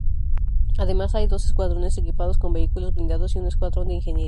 Además, hay dos escuadrones equipados con vehículos blindados y un escuadrón de ingeniería.